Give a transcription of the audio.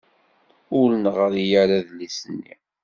Ur neɣri ara adlis-nni.